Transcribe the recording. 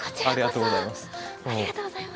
ありがとうございます。